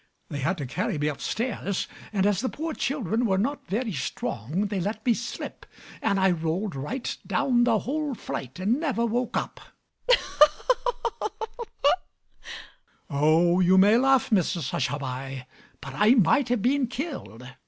They had to carry me upstairs; and as the poor children were not very strong, they let me slip; and I rolled right down the whole flight and never woke up. [Mrs Hushabye splutters]. Oh, you may laugh, Mrs Hushabye; but I might have been killed.